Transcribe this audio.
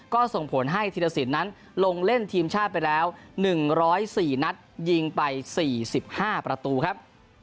ก็ส่งผลให้ธีรสินนั้นลงเล่นทีมชาติไปแล้ว๑๐๔นัดยิงไป๔๕ประตูครับ